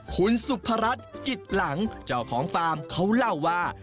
คุณสุภรัชกิจหลังเจ้าของฟาร์มเขาเล่าว่า